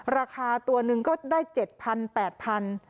ราคาตัวหนึ่งก็ได้๗๐๐๘๐๐บาท